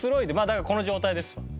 だからこの状態ですわ。